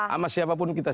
sama siapa pun kita siap